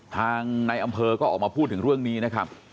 ทางในอำเภอก็ออกมาพูดถึงเรื่องนี้นะครับ